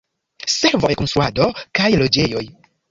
Servoj, konstruado kaj loĝejoj.